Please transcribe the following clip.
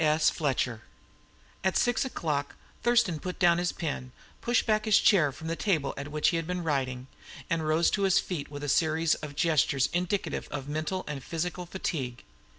S. Fletcher At six o'clock Thurston put down his pen, pushed his chair back from the table at which he had been writing, and rose to his feet with a series of gestures indicative of mental and physical fatigue.